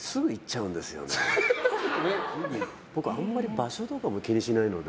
僕、あんまり場所とかも気にしないので。